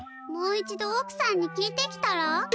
もう一度おくさんに聞いてきたら？